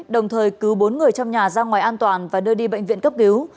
đồng thời cứu bốn người trong nhà ra ngoài an toàn và đưa đi bệnh viện cấp cứu